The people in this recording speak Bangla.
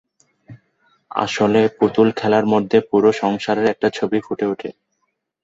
আসলে পুতুল খেলার মধ্যে পুরো সংসারের একটা ছবি ফুটে ওঠে।